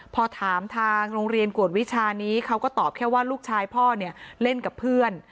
พอถามทางโรงเรียนกวดวิชานี้เขาก็ตอบแค่ว่าลูกชายพ่อเนี่ยเล่นกับเพื่อน